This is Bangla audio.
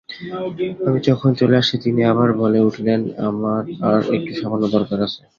আমি যখন চলে আসছি তিনি আবার বলে উঠলেন, আমার আর-একটু সামান্য দরকার আছে।